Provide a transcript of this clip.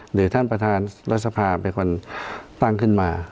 หรือท่านประธานรัฐสภาเป็นคนตั้งขึ้นมา